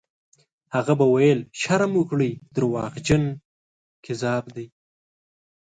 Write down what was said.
هغه به ویل: «شرم وکړئ! دروغجن، کذاب دی».